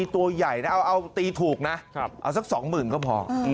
มีตัวใหญ่นะเอาตีถูกนะครับเอาสัก๒๐๐๐๐ก็พอ๘๒๐๖๐๐๑๖๐